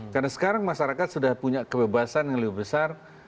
karena sekarang masyarakat sudah punya kebebasan yang lebih besar